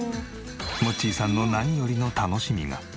モッチーさんの何よりの楽しみが。